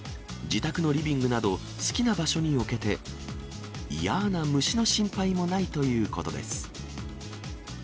自宅のリビングなど、好きな場所に置けて、嫌ーな虫の心配もないということです。